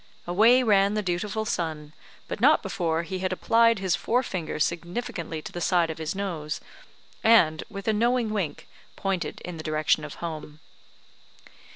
Away ran the dutiful son, but not before he had applied his forefinger significantly to the side of his nose, and, with a knowing wink, pointed in the direction of home.